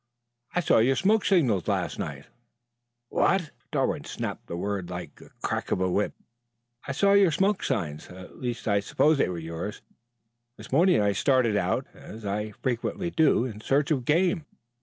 "I saw your smoke signs last night." "What!" Darwood snapped the word out like the crack of a whip. "I saw your smoke signs. At least I suppose they were yours. This morning I started out, as I frequently do, in search of game.